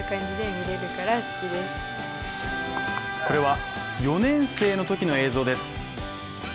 これは４年生のときの映像です。